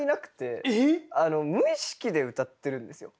無意識で歌ってるんですよ。